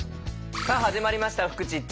さあ始まりました「フクチッチ」。